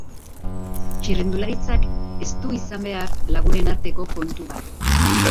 Txirrindularitzak ez du izan behar lagunen arteko kontu bat.